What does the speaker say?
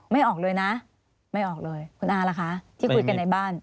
ไม่ออกเลยนะไม่ออกเลยคุณอาล่ะคะที่คุยกันในบ้าน